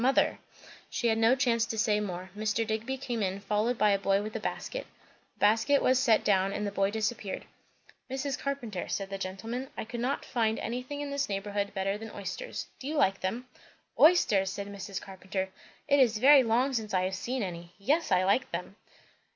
Mother! " She had no chance to say more. Mr. Digby came in, followed by a boy with a basket. The basket was set down and the boy disappeared. "Mrs. Carpenter," said the gentleman, "I could not find anything in this neighbourhood better than oysters. Do you like them?" "Oysters!" said Mrs. Carpenter. "It is very long since I have seen any. Yes, I like them."